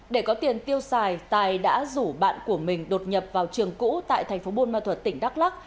để có tiền tiêu xài tài đã rủ bạn của mình đột nhập vào trường cũ tại thành phố buôn ma thuật tỉnh đắk lắc